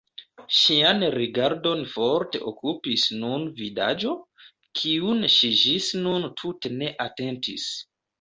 Ŝian rigardon forte okupis nun vidaĵo, kiun ŝi ĝis nun tute ne atentis.